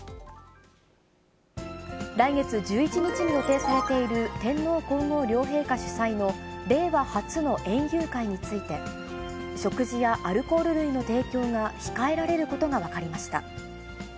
来月１１日に予定されている天皇皇后両陛下主催の令和初の園遊会について、食事やアルコール類の提供が控えられることが分かりました。